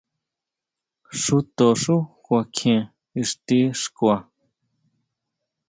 Xúto xú kuakjien ixti xkua.